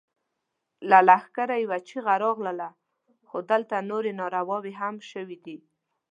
له لښکره يوه چيغه راغله! خو دلته نورې نارواوې هم شوې دي.